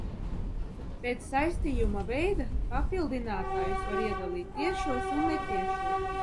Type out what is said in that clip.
Pēc saistījuma veida papildinātājus var iedalīt tiešos un netiešos.